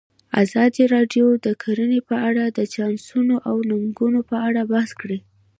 ازادي راډیو د کرهنه په اړه د چانسونو او ننګونو په اړه بحث کړی.